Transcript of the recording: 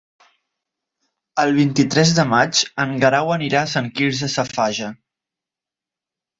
El vint-i-tres de maig en Guerau anirà a Sant Quirze Safaja.